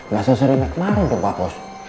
gak sesering naik main dong pak bos